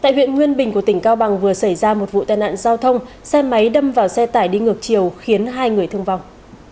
tại huyện nguyên bình của tỉnh cao bằng vừa xảy ra một vụ tai nạn giao thông xe máy đâm vào xe tải đi ngược chiều khiến hai người thương vong